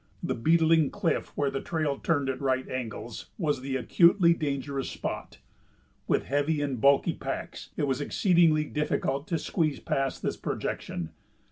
The beetling cliff, where the trail turned at right angles, was the acutely dangerous spot. With heavy and bulky packs it was exceedingly difficult to squeeze past this projection.